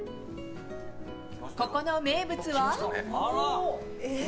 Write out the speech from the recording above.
ここの名物は。